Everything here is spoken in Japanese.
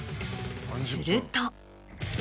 すると。